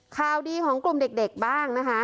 ข่าวดีของกลุ่มเด็กบ้างนะคะ